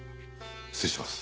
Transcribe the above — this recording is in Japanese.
失礼します。